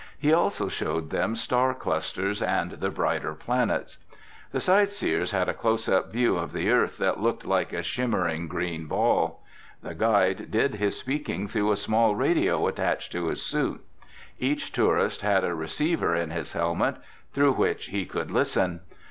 He also showed them star clusters and the brighter planets. The sight seers had a closeup view of the earth that looked like a shimmering green ball. The guide did his speaking through a small radio attached to his suit. Each tourist had a receiver in his helmet through which he could listen.